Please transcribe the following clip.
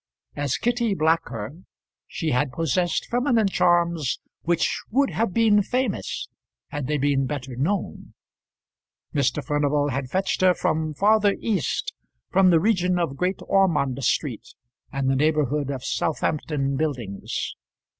As Kitty Blacker she had possessed feminine charms which would have been famous had they been better known. Mr. Furnival had fetched her from farther East from the region of Great Ormond street and the neighbourhood of Southampton Buildings.